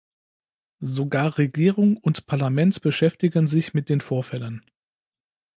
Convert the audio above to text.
Sogar Regierung und Parlament beschäftigten sich mit den Vorfällen.